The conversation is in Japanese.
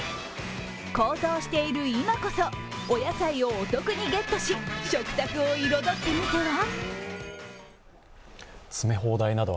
高騰している今こそ、お野菜をお得にゲットし、食卓を彩ってみては。